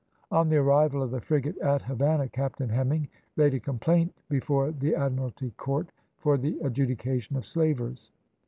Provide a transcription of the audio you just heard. On the arrival of the frigate at Havannah Captain Hemming laid a complaint before the Admiralty Court for the adjudication of slavers.